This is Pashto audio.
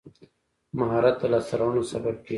مهارت د لاسته راوړنو سبب کېږي.